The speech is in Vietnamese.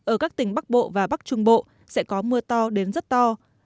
ở các tỉnh bắc bộ và bắc trung bộ sẽ có mưa to đến rất to